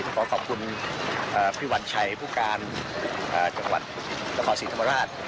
แล้วก็ขอบคุณอ่าพี่หวัญชัยผู้การอ่าจังหวัดนครสิทธิ์ธรรมดาล